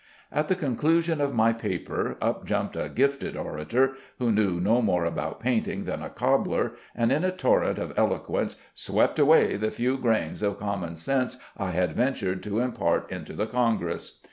At the conclusion of my paper, up jumped a gifted orator, who knew no more about painting than a cobbler, and in a torrent of eloquence swept away the few grains of common sense I had ventured to import into the congress.